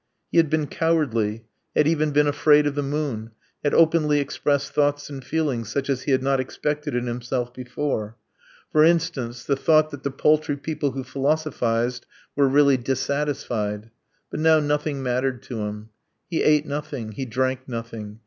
He had been cowardly, had even been afraid of the moon, had openly expressed thoughts and feelings such as he had not expected in himself before; for instance, the thought that the paltry people who philosophized were really dissatisfied. But now nothing mattered to him. He ate nothing; he drank nothing.